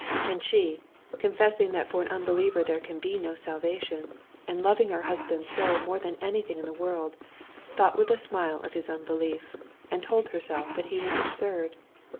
And she, confessing that for an unbeliever there can be no salvation, and loving her husband's soul more than anything in the world, thought with a smile of his unbelief, and told herself that he was absurd.